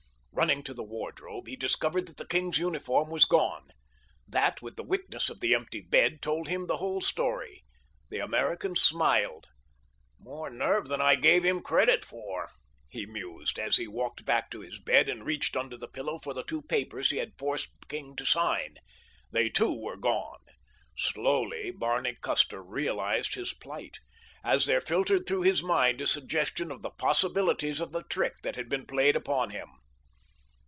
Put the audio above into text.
Running to the wardrobe, he discovered that the king's uniform was gone. That, with the witness of the empty bed, told him the whole story. The American smiled. "More nerve than I gave him credit for," he mused, as he walked back to his bed and reached under the pillow for the two papers he had forced the king to sign. They, too, were gone. Slowly Barney Custer realized his plight, as there filtered through his mind a suggestion of the possibilities of the trick that had been played upon him.